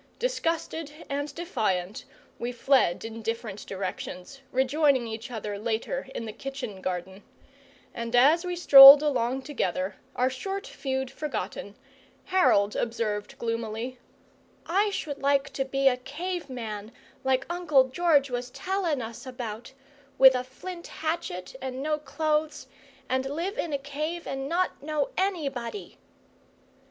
Disgusted and defiant we fled in different directions, rejoining each other later in the kitchen garden; and as we strolled along together, our short feud forgotten, Harold observed, gloomily: "I should like to be a cave man, like Uncle George was tellin' us about: with a flint hatchet and no clothes, and live in a cave and not know anybody!"